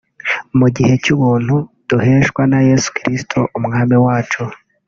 mu gihe cy’ubuntu duheshwa na Yesu Kristo Umwami wacu